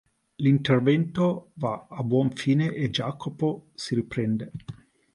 L'intervento va a buon fine e Jacopo si riprende.